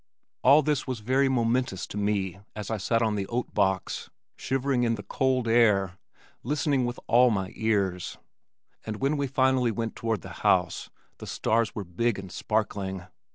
All this was very momentous to me as I sat on the oat box, shivering in the cold air, listening with all my ears, and when we finally went toward the house, the stars were big and sparkling.